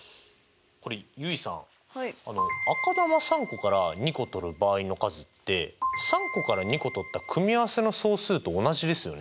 これ結衣さん赤球３個から２個取る場合の数って３個から２個取った組合せの総数と同じですよね。